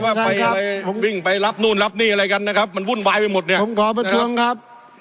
ว่าไปอะไรวิ่งไปรับนู่นรับนี่อะไรกันนะครับมันวุ่นวายไปหมดเนี่ยผมขอประท้วงครับ